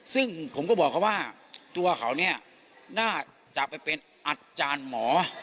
ซึ่งผมก็บอกเขาว่าตัวเขาเนี่ยน่าจะไปเป็นอาจารย์หมอ